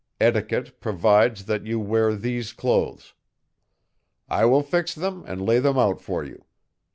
Etiquette provides that you wear these clothes. I will fix them and lay them out for you.